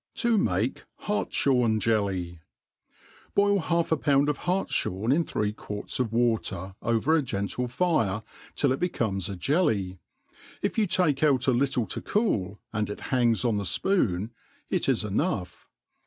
To make Hartjhorn Jelly. BOIL half a pound of hartfliorn in three quarts. of water over a gentle fire, till it becomes a jelly. If you take outi, little to cool, and it hangs on the fpoon, it is enough.